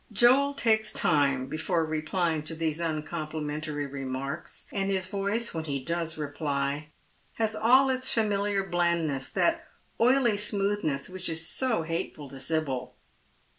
Joel takes time before repljnng to these uncomplimentary remarks, and his voice when he does reply has all its famihar blandness, — that oily smoothness which is so hateful to Sibyl.